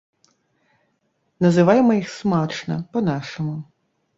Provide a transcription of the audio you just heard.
Называйма іх смачна, па-нашаму.